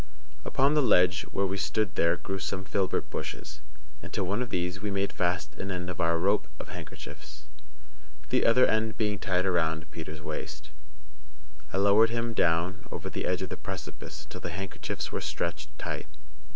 Upon the ledge where we stood there grew some filbert bushes; and to one of these we made fast an end of our rope of handkerchiefs. The other end being tied round Peters' waist, I lowered him down over the edge of the precipice until the handkerchiefs were stretched tight.